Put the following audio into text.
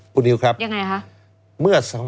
คุณนิวครับยังไงคะ